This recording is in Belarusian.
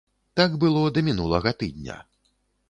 Так было да мінулага тыдня.